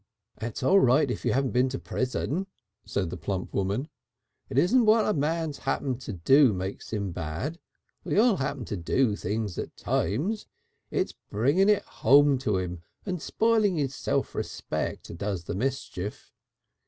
"It's all right if you haven't been to prison," said the plump woman. "It isn't what a man's happened to do makes 'im bad. We all happen to do things at times. It's bringing it home to him, and spoiling his self respect does the mischief.